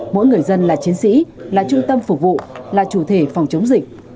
mỗi người dân là chiến sĩ là trung tâm phục vụ là chủ thể phòng chống dịch